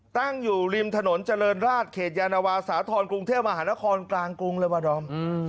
ตั้งอยู่ริมถนนเจริญราชเขตยานวาสาธรณ์กรุงเทพมหานครกลางกรุงเลยวะดอม